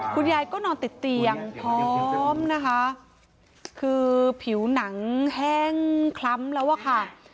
คุณยายก็นอนติดเตียงพร้อมนะคะคือผิวหนังแห้งคล้ำแล้วอะค่ะ